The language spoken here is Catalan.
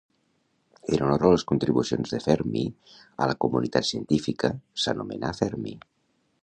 En honor a les contribucions de Fermi a la comunitat científica, s'anomenà Fermi.